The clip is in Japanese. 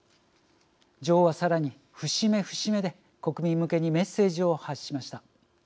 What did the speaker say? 女王は、さらに節目節目で国民向けにメッセージを発しました。